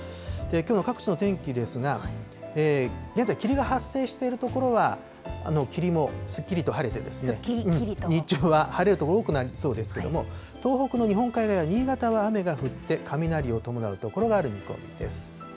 きょうの各地の天気ですが、現在、霧が発生している所は霧もすっきりと晴れて、日中は晴れる所、多くなりそうですけれども、東北の日本海側や新潟は雨が降って、雷を伴う所がある見込みです。